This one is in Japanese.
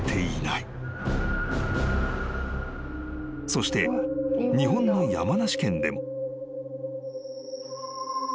［そして日本の山梨県でも］